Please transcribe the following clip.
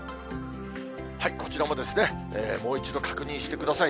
こちらももう一度確認してください。